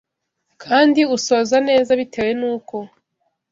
kandi usoza neza bitewe n’uko